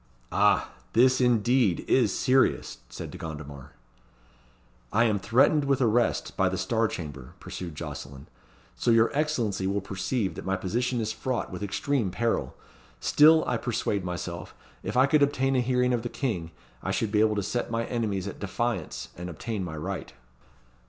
"Ah! this, indeed, is serious," said De Gondomar. "I am threatened with arrest by the Star Chamber," pursued Jocelyn; "so your Excellency will perceive that my position is fraught with extreme peril. Still I persuade myself, if I could obtain a hearing of the King, I should be able to set my enemies at defiance and obtain my right."